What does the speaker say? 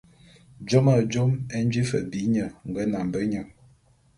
Jôme jôme é nji fe bi nye nge nambe nye.